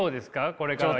これからは。